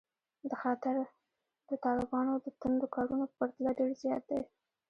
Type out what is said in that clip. دا خطر د طالبانو د توندو کارونو په پرتله ډېر زیات دی